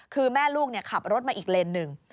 คือแม่ลูกขับรถมาอีกเลนหนึ่ง